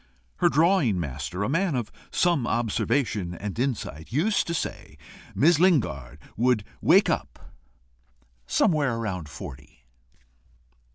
Her drawing master, a man of some observation and insight, used to say Miss Lingard would wake up somewhere about forty.